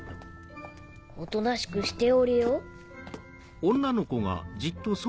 おとなしくしておれよ。